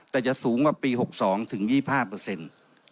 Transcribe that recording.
แต่จะสูงกว่าปี๖๒ถึง๒๕เปอร์เซ็นต์